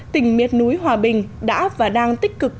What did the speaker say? tỉnh miệt núi hòa bình đã và đang tích cực